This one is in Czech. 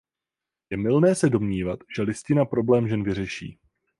Je mylné se domnívat, že listina problém žen vyřeší.